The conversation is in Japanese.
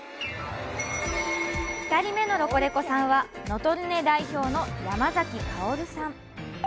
２人目のロコレコさんはのとルネ代表の山崎香織さん。